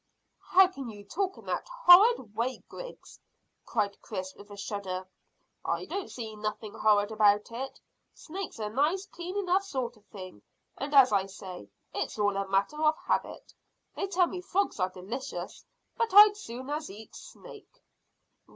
"How can you talk in that horrid way, Griggs!" cried Chris, with a shudder. "I don't see nothing horrid about it. Snake's a nice clean enough sort of thing; and, as I say, it's all a matter of habit. They tell me frogs are delicious, but I'd as soon eat snake."